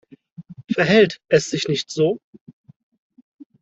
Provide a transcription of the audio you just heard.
Verhält es sich nicht so?